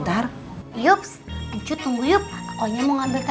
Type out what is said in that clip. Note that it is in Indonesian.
ya udah tuh jangan dipikirin